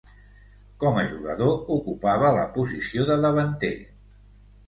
Com a jugador, ocupava la posició de davanter.